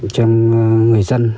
trong người dân